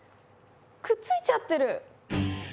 くっついちゃってる。